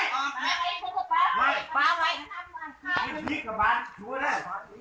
โอ้จัดทีที่โชว์แล้วแม่เอาสินะเมีย